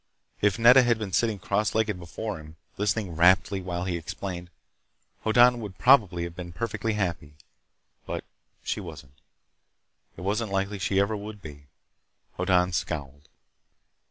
If Nedda had been sitting cross legged before him, listening raptly while he explained, Hoddan would probably have been perfectly happy. But she wasn't. It wasn't likely she ever would be. Hoddan scowled.